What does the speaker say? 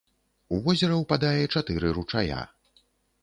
У возера ўпадае чатыры ручая.